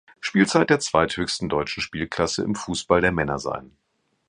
Spielzeit der zweithöchsten deutschen Spielklasse im Fußball der Männer sein.